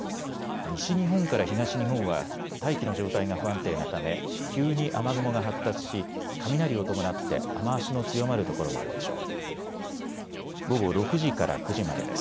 西日本から東日本は大気の状態が不安定なため急に雨雲が発達し雷を伴って雨足の強まる所もあるでしょう。